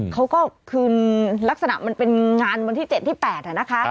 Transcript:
เขาก็คืนลักษณะมันเป็นงานวันที่๗ที่๘นะคะ